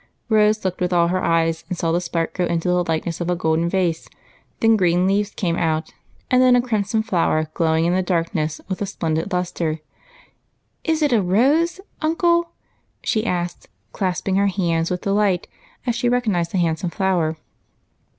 Rose looked with all her eyes, and saw the spark grow into the likeness of a golden vase, then green leaves came out, and then a crimson flower glowing on the darkness with a splendid lustre. "Is it a rose, uncle ?" she asked, clasping her hands with delight as she recognized the handsome flower.